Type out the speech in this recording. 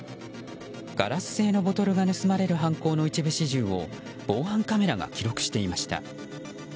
ガラス製のボトルが盗まれる犯行の一部始終を防犯カメラが記録していました。